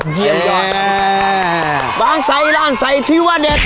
เย่บางสายล้างใสค์ที่ว่าเด็ด